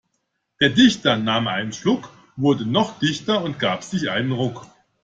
Der Dichter nahm einen Schluck, wurde noch dichter und gab sich einen Ruck.